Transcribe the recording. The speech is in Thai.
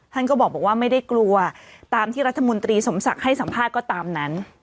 ท่านก็บอกว่าไม่ได้กลัวตามที่รัฐมนตรีสมศักดิ์ให้สัมภาษณ์ก็ตามนั้น